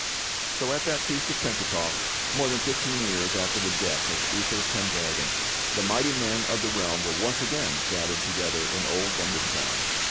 So at that Feast of Pentecost, more than fifteen years after the death of Uther Pendragon, the mighty men of the realm were once again gathered together in old London Town.